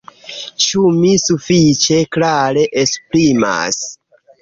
Ĉu mi sufiĉe klare esprimas?